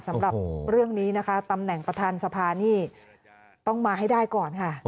สำหรับเรื่องนี้นะคะตำแหน่งประธานสภานี่ต้องมาให้ได้ก่อนค่ะ